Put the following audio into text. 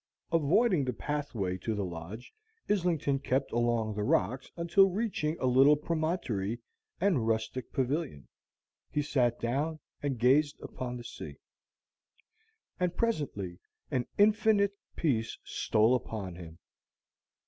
Avoiding the pathway to the lodge, Islington kept along the rocks until, reaching a little promontory and rustic pavilion, he sat down and gazed upon the sea. And presently an infinite peace stole upon him.